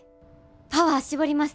パワー絞ります。